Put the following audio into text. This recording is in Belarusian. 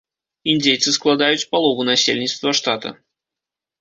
Індзейцы складаюць палову насельніцтва штата.